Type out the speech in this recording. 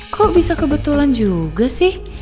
kok bisa kebetulan juga sih